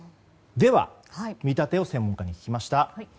では、見立てを専門家に聞きました。